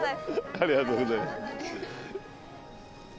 ありがとうございます。